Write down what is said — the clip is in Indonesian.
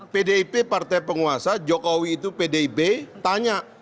pdip partai penguasa jokowi itu pdib tanya